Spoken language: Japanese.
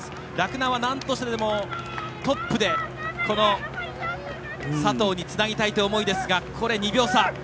洛南はなんとしてもトップで、佐藤につなぎたいという思いですが２秒差。